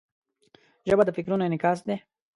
ژبه د فکرونو انعکاس دی